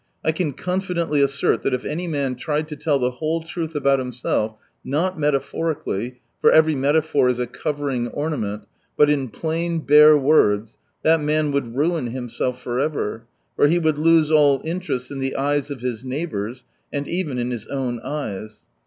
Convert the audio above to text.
I can confidently assert that if any man tried to tell the whole truth about himself, not metaphorically, for every metaphor is a covering ornament, but in plain bare words, that man would ruin himself for ever, for he would lose all interest in the eyes of his neighbours, and even in his own eyes.